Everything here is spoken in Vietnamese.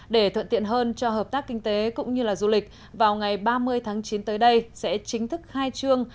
để thuận tiện hơn cho hợp tác kinh tế cũng như du lịch vào ngày ba mươi tháng chín tới đây sẽ chính thức khai trương